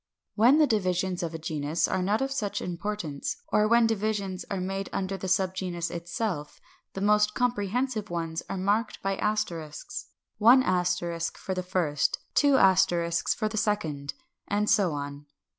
When the divisions of a genus are not of such importance, or when divisions are made under the subgenus itself, the most comprehensive ones are marked by asterisks, * for the first, for the second, and so on.